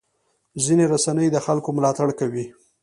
ځینې رسنۍ د خلکو ملاتړ کوي.